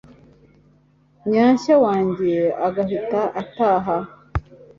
Nyanshya wanjye agahita ataha